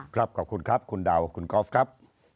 ขอบคุณครับคุณดาวคุณกอล์ฟครับ